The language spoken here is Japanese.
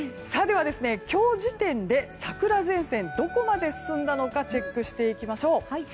では、今日時点で桜前線どこまで進んだのかチェックしていきましょう。